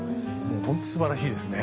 本当すばらしいですね。